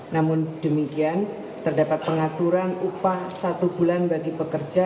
namun demikian terdapat pengaturan upah satu bulan bagi pekerja